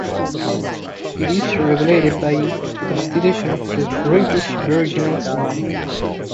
It is regulated by the Constitution of the British Virgin Islands.